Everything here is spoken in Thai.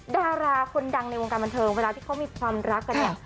ดาราคนดังในวงการบันเทิงเวลาที่เขามีความรักกันเนี่ย